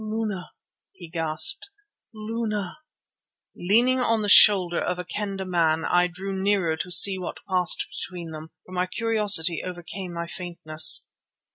"Luna," he gasped, "Luna!" Leaning on the shoulder of a Kendah man, I drew nearer to see what passed between them, for my curiosity overcame my faintness.